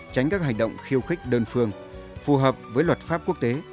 tránh các hành động khiêu khích đơn phương phù hợp với luật pháp quốc tế